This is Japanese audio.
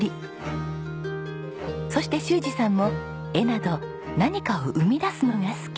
そして修二さんも絵など何かを生み出すのが好き。